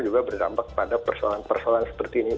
juga berdampak pada persoalan persoalan seperti ini